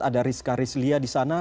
ada rizka rizlia di sana